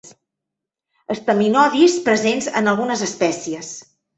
Estaminodis presents en algunes espècies.